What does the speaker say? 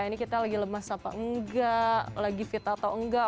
ini kita lagi lemas apa enggak lagi fit atau enggak